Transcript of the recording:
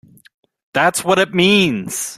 That's what it means!